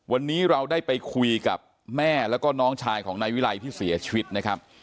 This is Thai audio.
วันนี้เราได้ไปคุยกับแม่แล้วก็น้องชายของนายวิรัยที่เสียชีวิตนะครับ